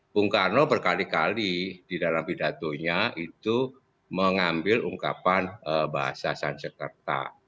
bung karno berkali kali di dalam pidatonya itu mengambil ungkapan bahasa sansekerta